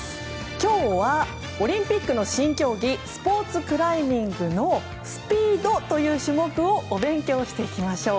今日はオリンピックの新競技スポーツクライミングのスピードという種目をお勉強していきましょう。